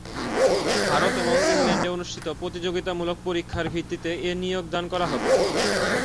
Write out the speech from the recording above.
ভারত ও ইংল্যান্ডে অনুষ্ঠিত প্রতিযোগিতামূলক পরীক্ষার ভিত্তিতে এ নিয়োগ দান করা হবে।